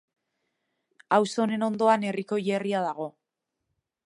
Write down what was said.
Auzo honen ondoan herriko hilerria dago.